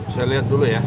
saya liat dulu ya